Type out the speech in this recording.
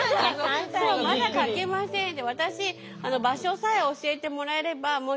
まだ書けませんって。